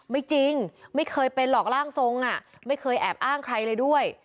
ไม่จริงไม่เคยเป็นหรอกร่างทรงไม่เคยแอบอ้างใครเลยด้วย